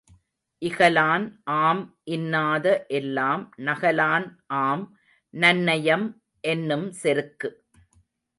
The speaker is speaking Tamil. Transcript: இகலான் ஆம் இன்னாத எல்லாம் நகலான் ஆம் நன்னயம் என்னும் செருக்கு.